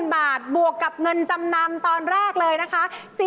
๐บาทบวกกับเงินจำนำตอนแรกเลยนะคะ